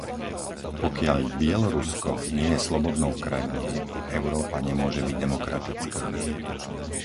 Pokiaľ Bielorusko nie je slobodnou krajinou, Európa nemôže byť demokratická.